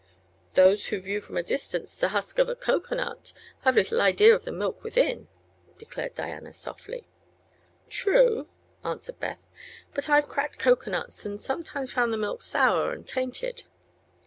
"Those who view from a distance the husk of a cocoanut, have little idea of the milk within," declared Diana, softly. "True," answered Beth. "But I've cracked cocoanuts, and sometimes found the milk sour and tainted."